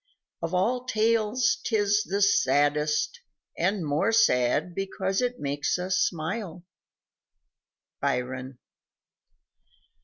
Of all tales 'tis the saddest and more sad Because it makes us smile. _Byron.